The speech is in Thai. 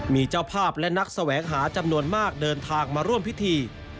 มีเจ้าภาพและนักแสวงหาจำนวนมากเดินทางมาร่วมพิธี